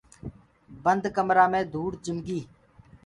بند ڪمرآ مي ڌوُڙ جِم گي۔